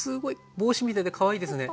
帽子みたいでかわいいですね。